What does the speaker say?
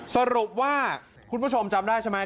สรุปว่าคุณผู้ชมจำได้ใช่ไหม